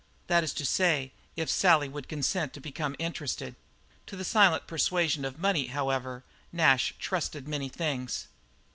That is to say, if Sally would consent to become interested. To the silent persuasion of money, however, Nash trusted many things.